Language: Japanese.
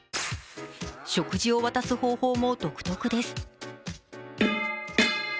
食事を渡す方法も独特です。